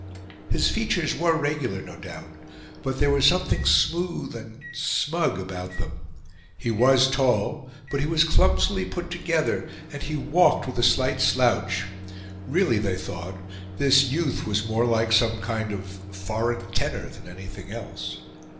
His features were regular, no doubt, but there was something smooth and smug about them; he was tall, but he was clumsily put together, and he walked with a slight slouch. Really, they thought, this youth was more like some kind of foreign tenor than anything else.